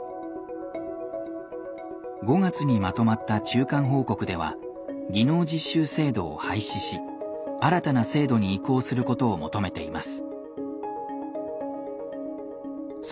５月にまとまった中間報告では技能実習制度を廃止し新たな制度に移行することを求めています。